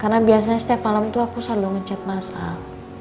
karena biasanya setiap malam tuh aku selalu ngechat mas al